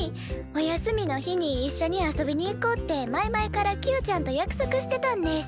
お休みの日にいっしょに遊びに行こうって前々からキヨちゃんと約束してたんです。